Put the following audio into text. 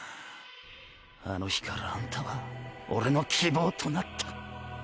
あの日からあんたは俺の希望となった。